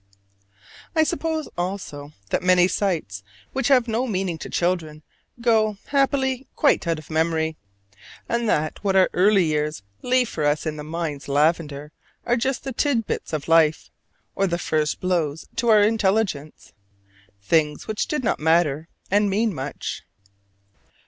I suppose, also, that many sights which have no meaning to children go, happily, quite out of memory; and that what our early years leave for us in the mind's lavender are just the tit bits of life, or the first blows to our intelligence things which did matter and mean much.